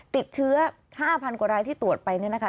ติดเชื้อ๕๐๐กว่ารายที่ตรวจไปเนี่ยนะคะ